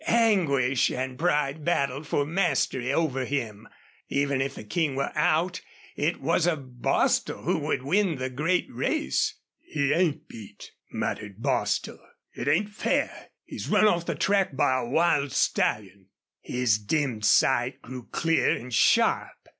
Anguish and pride battled for mastery over him. Even if the King were out it was a Bostil who would win the great race. "He ain't beat!" muttered Bostil. "It ain't fair! He's run off the track by a wild stallion!" His dimmed sight grew clear and sharp.